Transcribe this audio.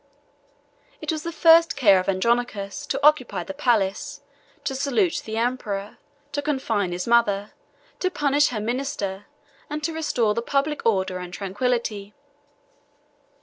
It was the first care of Andronicus to occupy the palace, to salute the emperor, to confine his mother, to punish her minister, and to restore the public order and tranquillity.